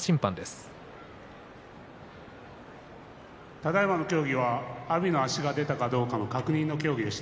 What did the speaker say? ただいまの協議は阿炎の足が出たかどうかの確認の協議でした。